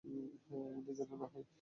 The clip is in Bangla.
এমনটি যেন না হয়।